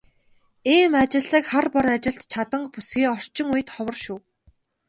Ийм ажилсаг, хар бор ажилд чаданги бүсгүй орчин үед ховор шүү.